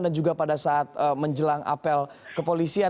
dan juga pada saat menjelang apel kepolisian